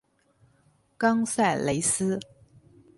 冈萨雷斯。